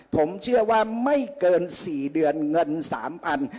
ผมเชื่อว่าไม่เกิน๔เดือนเงิน๓๐๐บาท